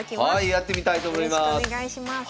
やってみたいと思います。